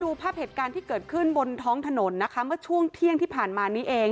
ภาพเหตุการณ์ที่เกิดขึ้นบนท้องถนนนะคะเมื่อช่วงเที่ยงที่ผ่านมานี้เอง